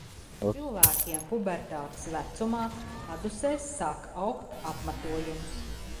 Cilvēkiem pubertātes vecumā padusēs sāk augt apmatojums.